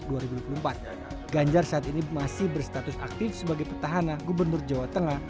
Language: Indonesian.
dan di tahun dua ribu empat belas ganjar saat ini masih berstatus aktif sebagai petahana gubernur jawa tengah